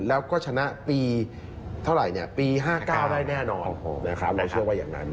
แล้วก็ชนะปีเท่าไหร่ปี๕๙ได้แน่นอนนะครับเราเชื่อว่าอย่างนั้น